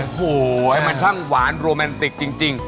โอ้โหมันช่างหวานโรแมนติกจริง